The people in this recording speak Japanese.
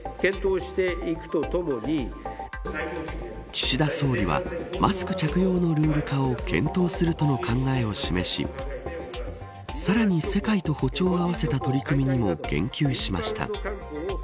岸田総理は、マスク着用のルール化を検討するとの考えを示しさらに、世界と歩調を合わせた取り組みにも言及しました。